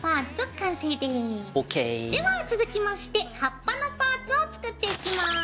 では続きまして葉っぱのパーツを作っていきます。